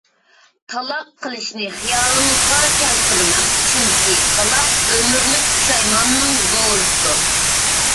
تالاق قىلىشنى خىيالىڭىزغا كەلتۈرمەڭ! چۈنكى، تالاق ئۆمۈرلۈك پۇشايماننىڭ دورىسىدۇر.